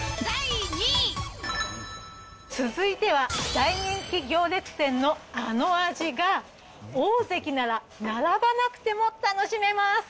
続いては、大人気行列店のあの味が、オオゼキなら並ばなくても楽しめます。